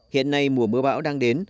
hiện nay mùa mưa bão đang đến